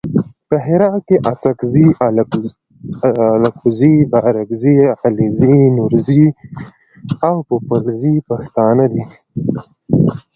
په هرات کې اڅګزي الکوزي بارګزي علیزي نورزي او پوپلزي پښتانه دي.